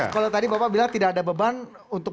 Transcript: kalau tadi bapak bilang tidak ada beban untuk